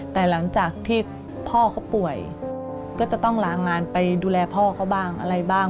แต่หลังจากที่พ่อเขาป่วยก็จะต้องลางานไปดูแลพ่อเขาบ้างอะไรบ้าง